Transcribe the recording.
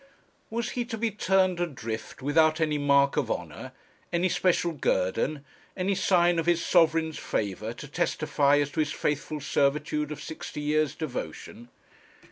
Was he to be turned adrift without any mark of honour, any special guerdon, any sign of his Sovereign's favour to testify as to his faithful servitude of sixty years' devotion?